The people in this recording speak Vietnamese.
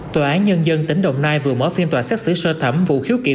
tòa án nhân dân tỉnh đồng nai vừa mở phiên tòa xét xử sơ thẩm vụ khiếu kiện